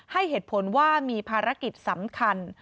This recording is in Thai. ให้เหตุผลว่ามีภารกิจสำคัญ